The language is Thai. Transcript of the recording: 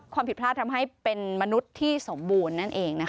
ความผิดพลาดทำให้เป็นมนุษย์ที่สมบูรณ์นั่นเองนะคะ